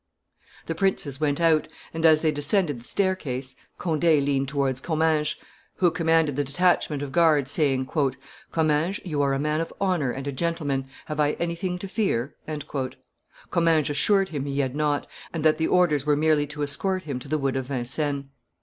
The princes went out; and, as they descended the staircase, Conde leaned towards Comminges, who commanded the detachment of guards, saying, "Comminges, you are a man of honor and a gentleman; have I anything to fear?" Comminges assured him he had not, and that the orders were merely to escort him to the wood of Vincennes.